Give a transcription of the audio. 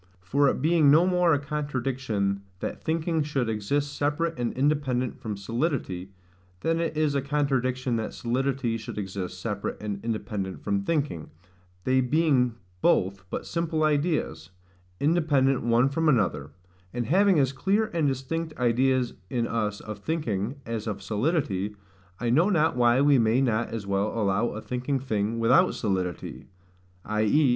For it being no more a contradiction that thinking should exist separate and independent from solidity, than it is a contradiction that solidity should exist separate and independent from thinking, they being both but simple ideas, independent one from another and having as clear and distinct ideas in us of thinking as of solidity, I know not why we may not as well allow a thinking thing without solidity, i.e.